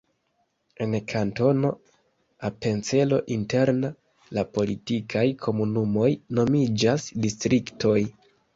En Kantono Apencelo Interna la politikaj komunumoj nomiĝas distriktoj.